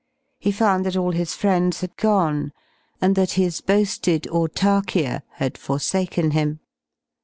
He found that allhis friends hadgone, andthathis boa§ied avrdpK^ia. had forsaken him.